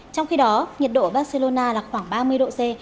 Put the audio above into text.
trong khi đó nhiệt độ ở barcelona là khoảng ba mươi độ c